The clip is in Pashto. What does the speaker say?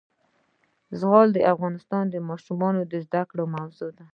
زغال د افغان ماشومانو د زده کړې موضوع ده.